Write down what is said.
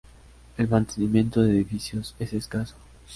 El mantenimiento de edificios es escaso.